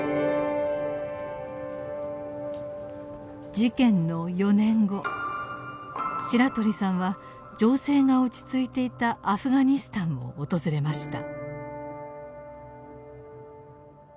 事件の４年後白鳥さんは情勢が落ち着いていたアフガニスタンを訪れました。